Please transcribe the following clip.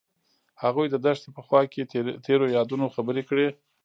هغوی د دښته په خوا کې تیرو یادونو خبرې کړې.